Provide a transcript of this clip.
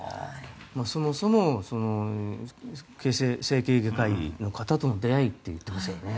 そもそも整形外科医の方との出会いと言っていましたよね。